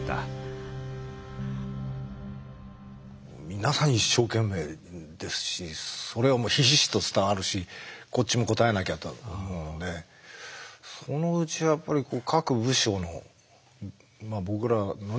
皆さん一生懸命ですしそれはもうひしひしと伝わるしこっちも応えなきゃと思うのでそのうちやっぱり各部署の僕らのね